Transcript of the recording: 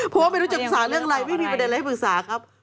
เพราะว่าไม่รู้จะปรึกษาเรื่องอะไรไม่มีประเด็นอะไรให้ปรึกษาครับ